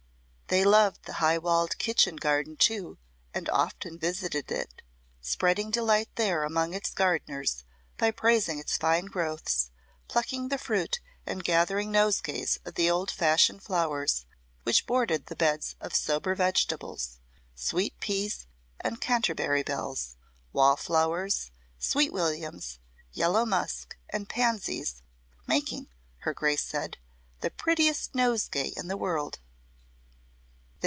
They loved the high walled kitchen garden, too, and often visited it, spreading delight there among its gardeners by praising its fine growths, plucking the fruit and gathering nosegays of the old fashioned flowers which bordered the beds of sober vegetables sweet peas and Canterbury bells, wall flowers, sweetwilliams, yellow musk, and pansies, making, her Grace said, the prettiest nosegay in the world.